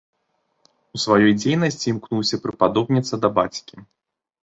У сваёй дзейнасці імкнуўся прыпадобніцца да бацькі.